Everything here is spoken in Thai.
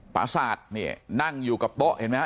ปาศาสตร์นี่นั่งอยู่กับเบาะเห็นมั้ยครับ